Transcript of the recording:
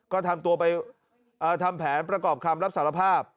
ก็ทำตัวไปทำแผนประกอบคำรับสารภาพ